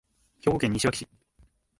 兵庫県西脇市